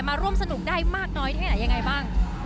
มาร่วมสนุกได้มากน้อยแค่ไหนยังไงบ้าง